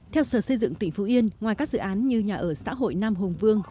theo sở xây dựng tỉnh phú yên ngoài các dự án như nhà ở xã hội nam hùng vương